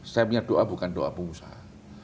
saya punya doa bukan doa pengusaha